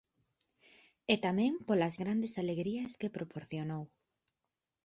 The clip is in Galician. E tamén polas grandes alegrías que proporcionou.